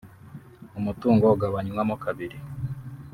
umutungo ugabanywamo kabiri